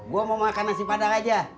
gue mau makan nasi padang aja